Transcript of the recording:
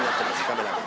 カメラが。